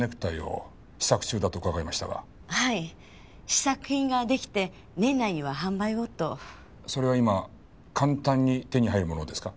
試作品が出来て年内には販売をと。それは今簡単に手に入るものですか？